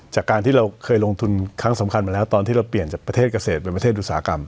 จากการที่เราเคยลงทุนครั้งสำคัญมาแล้วตอนที่เราเปลี่ยนจากประเทศเกษตรเป็นประเทศอุตสาหกรรม